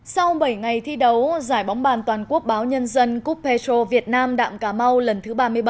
sau bảy ngày thi đấu giải bóng bàn toàn quốc báo nhân dân cup petro việt nam đạm cà mau lần thứ ba mươi bảy